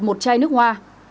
một chai nước hoa